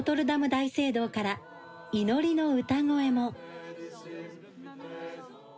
大聖堂から祈りの歌声も。